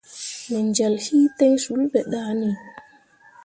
Me jel hi ten sul be dah ni.